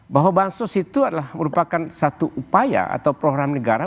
bahwa bansos itu adalah merupakan satu upaya atau program negara